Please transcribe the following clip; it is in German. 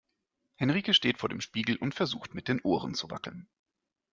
Henrike steht vor dem Spiegel und versucht mit den Ohren zu wackeln.